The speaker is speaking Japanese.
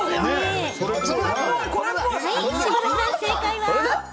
下田さん、正解は。